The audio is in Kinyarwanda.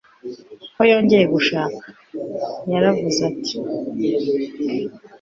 ko yongeye gushaka. yaravuze ati